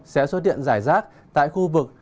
sẽ xuất hiện giải rác tại khu vực